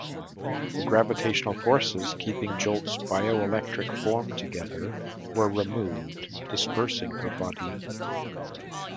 The gravitational forces keeping Jolt's bioelectric form together were removed, dispersing her body.